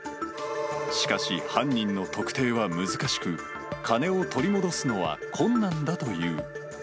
しかし、犯人の特定は難しく、金を取り戻すのは困難だという。